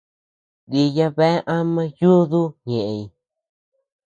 Diya bea ama yuduu ñeʼëñ.